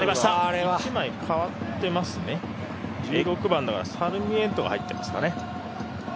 １６番のサルミエントが入ってますかね。